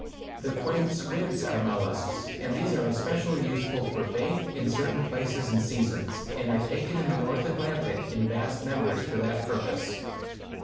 The quaint squids are mollusks, and these are especially useful for bait in certain places and seasons, and are taken in the North Atlantic in vast numbers for that purpose.